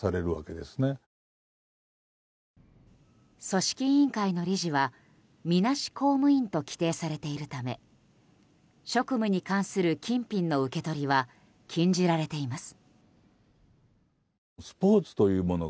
組織委員会の理事はみなし公務員と規定されているため職務に関する金品の受け取りは禁じられています。